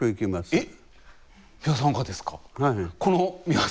えっ！